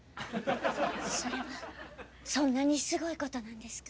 それはそんなにすごいことなんですか？